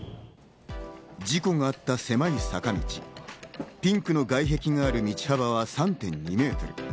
事故があった狭い坂道、ピンクの外壁がある道幅は３．２メートル。